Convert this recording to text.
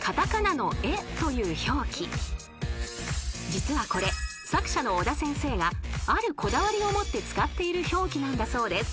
［実はこれ作者の尾田先生があるこだわりを持って使っている表記なんだそうです］